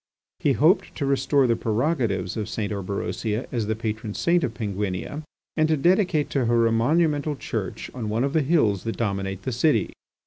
He hoped to restore the prerogatives of St. Orberosia as the patron saint of Penguinia and to dedicate to her a monumental church on one of the hills that dominate the city.